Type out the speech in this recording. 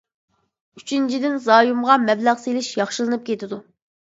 ئۈچىنچىدىن، زايومغا مەبلەغ سېلىش ياخشىلىنىپ كېتىدۇ.